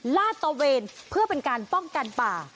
ลาดตะเวนเพื่อเป็นการป้องกันป่า